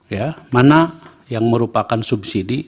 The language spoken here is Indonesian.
ya mana yang merupakan subsidi